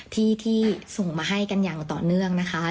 ที่ส่งมาให้กันอย่างต่อเนื่องนะคะ